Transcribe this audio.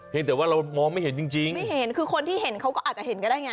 แต่ว่าเรามองไม่เห็นจริงไม่เห็นคือคนที่เห็นเขาก็อาจจะเห็นก็ได้ไง